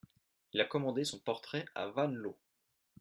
Il a commandé son portrait à Van Loo.